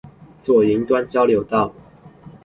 左營端交流道